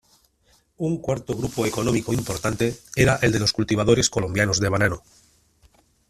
Un cuarto grupo económico importante era el de los cultivadores colombianos de banano.